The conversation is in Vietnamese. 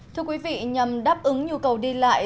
thưa quý vị nhằm đáp ứng nhu cầu đi lại